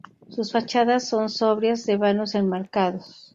Sus fachadas son sobrias, de vanos enmarcados.